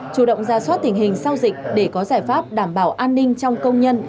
chủ động ra soát tình hình sau dịch để có giải pháp đảm bảo an ninh trong công nhân